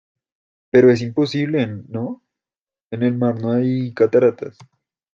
pero es imposible, ¿ no? en el mar no hay cataratas.